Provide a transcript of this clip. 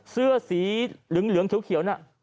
เสื้อสีเหลืองเขียวน่ะ